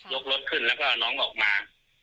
กรถขึ้นแล้วก็น้องออกมา